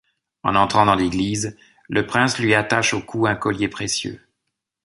En entrant dans l'église, le prince lui attache au cou un collier précieux.